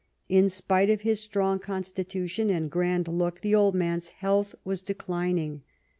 In spite of his strong constitution and grand look, the old man's health was declining.